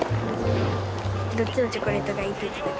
どっちのチョコレートがいいって言ってた？